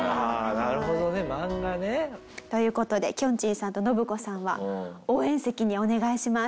なるほどね漫画ね。という事できょんちぃさんと信子さんは応援席にお願いします。